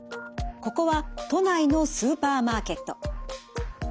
ここは都内のスーパーマーケット。